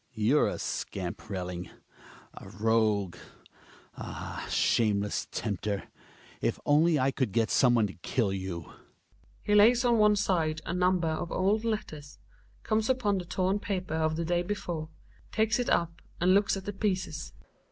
You're a scamp, Relling ! A rogue ! Ah ! shameless tempter ! If only I could get some one to kill you I He lays on one side a number of old letters, comes upon the torn paper of the day be/ore, takes it up and looks at the pieces.